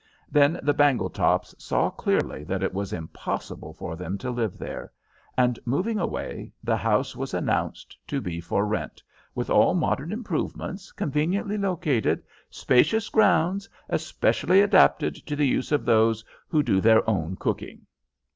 Then the Bangletops saw clearly that it was impossible for them to live there, and moving away, the house was announced to be "for rent, with all modern improvements, conveniently located, spacious grounds, especially adapted to the use of those who do their own cooking."